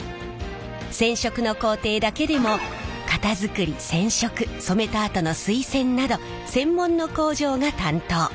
染色の工程だけでも型作り染色染めたあとの水洗など専門の工場が担当。